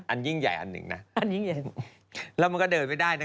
อันยิ่งใหญ่อันหนึ่งนะแล้วมันก็เดินไม่ได้นะ